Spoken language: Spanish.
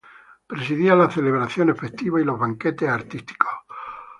Presidía las celebraciones festivas y los banquetes artísticos.